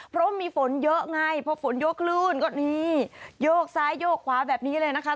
เพราะมีฝนเยอะไงพอฝนโยกคลื่นก็นี่โยกซ้ายโยกขวาแบบนี้เลยนะคะ